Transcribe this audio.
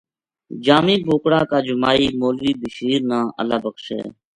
جامی بوکڑا کا جمائی مولوی بشیر نا اللہ بخشے۔